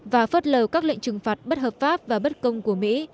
và phớt lờ các lệnh trừng phạt bất hợp pháp và bất công của mỹ